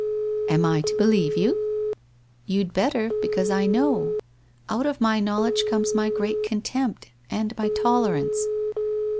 ' Am I to believe you ?' 1 You'd better, because I know. Out of my knowledge comes my great contempt, and my tolerance.